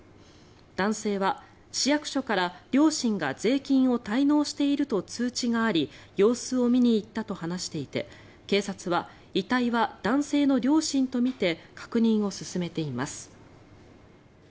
男性は市役所から両親が税金を滞納していると通知があり様子を見に行ったと話していて警察は、遺体は男性の両親とみて確認を進めています。